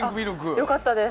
良かったです。